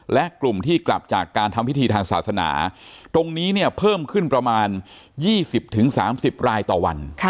และกลุ่มที่กลับจากการทำพิธีทางศาสนาตรงนี้เนี่ยเพิ่มขึ้นประมาณ๒๐๓๐รายต่อวัน